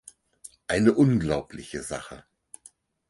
Eine unglaubliche Sache!